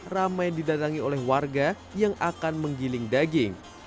ramai didatangi oleh warga yang akan menggiling daging